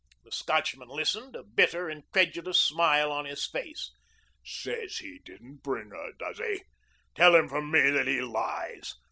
The Scotchman listened, a bitter, incredulous smile on his face. "Says he didn't bring her, does he? Tell him from me that he lies.